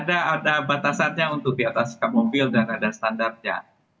ada batasannya untuk di atas kap mobil dan ada standarnya